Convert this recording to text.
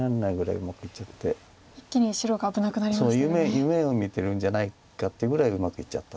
夢をみてるんじゃないかっていうぐらいうまくいっちゃった。